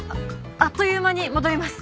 あっという間に戻ります。